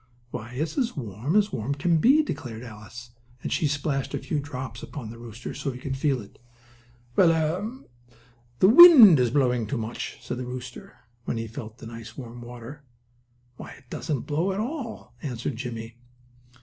"Why, it's as warm as warm can be," declared Alice, and she splashed a few drops upon the rooster, so he could feel it. "Well, er ahem! The wind is blowing too much," said the rooster, when he felt the nice, warm water. "Why, it doesn't blow at all," answered Jimmie.